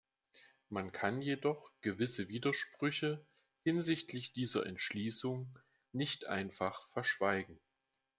Man kann jedoch gewisse Widersprüche hinsichtlich dieser Entschließung nicht einfach verschweigen.